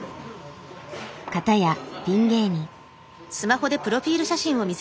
かたやピン芸人。